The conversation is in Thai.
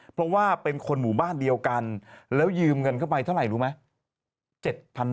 เพราะว่าเป็นคนหมู่บ้านเดียวกันแล้วยืมเงินเข้าไปเท่าไหร่รู้ไหม